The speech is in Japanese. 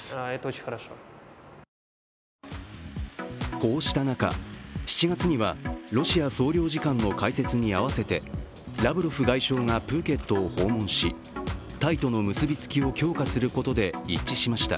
こうした中、７月にはロシア総領事館の開設に合わせてラブロフ外相がプーケットを訪問し、タイとの結びつきを強化することで一致しました。